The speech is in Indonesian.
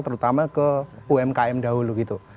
terutama ke umkm dahulu gitu